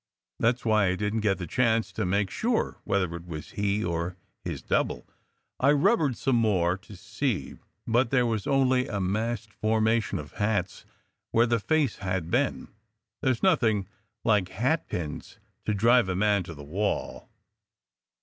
That s why I didn t get the chance to make sure whether it was he or his double. I rubbered some more, to see, but there was only a massed formation of hats where the face had been. There s nothing like hatpins to drive a man to the wall."